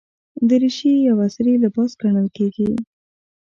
دریشي یو عصري لباس ګڼل کېږي.